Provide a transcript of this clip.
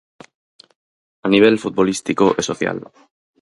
A nivel futbolístico e social.